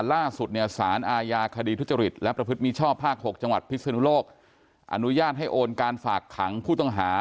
ล่าสุดเนี่ยสารอาญาคดีทุจริตและประพฤติมีชอบภาค๖จังหวัดพิศนุโลกอนุญาตให้โอนการฝากขังผู้ต้องหา